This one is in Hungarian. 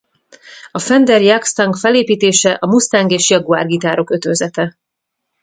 A Fender Jag-Stang felépítése a Mustang és Jaguar gitárok ötvözete.